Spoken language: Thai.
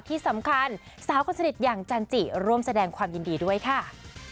ที่สำคัญสาวคนสนิทอย่างจันจิร่วมแสดงความยินดีด้วยค่ะ